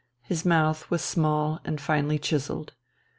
His mouth was small and finely chiselled.